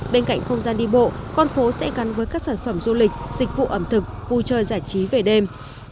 bên cạnh không gian đi bộ con phố sẽ gắn với các sản phẩm du lịch dịch vụ ẩm thực vui chơi giải trí về đêm